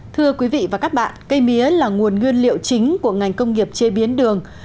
thưa quý vị và các bạn cây mía là nguồn nguyên liệu chính của ngành công nghiệp chế biến đường